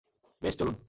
বেশ, চলুন!